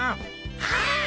はい！